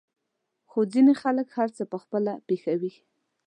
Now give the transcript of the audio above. خو ځينې خلک هر څه په خپله پېښوي.